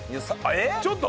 えっ！？